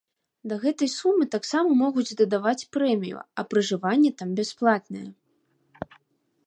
Да гэтай сумы таксама могуць дадаваць прэмію, а пражыванне там бясплатнае.